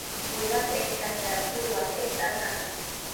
Уйнап әйтһәң дә, уйлап әйт, атаһы!